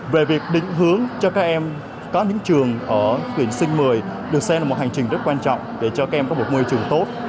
về việc định hướng cho các em có những trường ở tuyển sinh một mươi được xem là một hành trình rất quan trọng để cho các em có một môi trường tốt